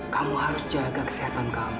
kamu harus jaga kesehatan kamu